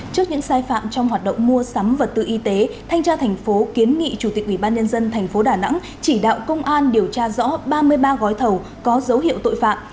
trước những sai phạm trong hoạt động mua sắm vật tự y tế thanh tra thành phố kiến nghị chủ tịch ubnd thành phố đà nẵng chỉ đạo công an điều tra rõ ba mươi ba gói thầu có dấu hiệu tội phạm